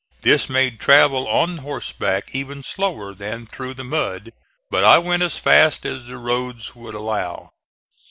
This made travel on horseback even slower than through the mud; but I went as fast as the roads would allow.